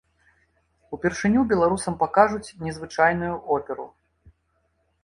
Упершыню беларусам пакажуць незвычайную оперу.